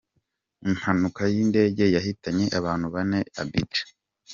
Impanuka y'indege yahitanye abantu bane i Abidjan .